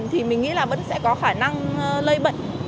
thì mình nghĩ là vẫn sẽ có khả năng lây bệnh